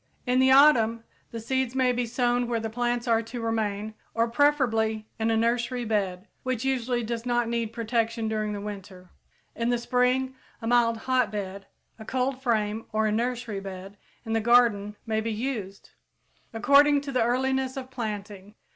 In the autumn, the seeds may be sown where the plants are to remain or preferably in a nursery bed, which usually does not need protection during the winter. In the spring a mild hotbed, a cold frame or a nursery bed in the garden may be used, according to the earliness of planting.